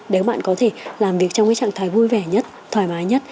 để các bạn có thể làm việc trong cái trạng thái vui vẻ nhất thoải mái nhất